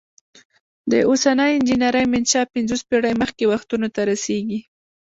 د اوسنۍ انجنیری منشا پنځوس پیړۍ مخکې وختونو ته رسیږي.